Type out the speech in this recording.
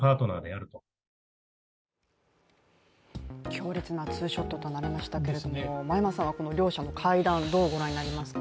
強烈なツーショットとなりましたが真山さんはこの両者の会談どうご覧になりますか？